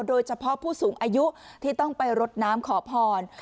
โดยเฉพาะผู้สูงอายุที่ต้องไปรดน้ำขอพร